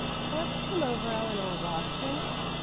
"What's come over Eleanor Watson?"